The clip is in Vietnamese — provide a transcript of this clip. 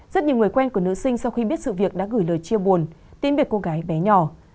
rất nhiều người quen của nữ sinh sau khi biết sự việc đã gửi lời chia buồn tìm cô gái bé nhỏ